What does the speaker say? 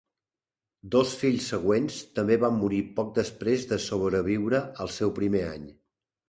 Dos fills següents també van morir poc després de sobreviure al seu primer any.